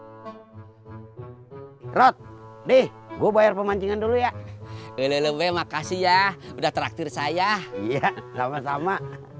hai rod nih gua bayar pemancingan dulu ya lelewe makasih ya udah traktir saya iya sama sama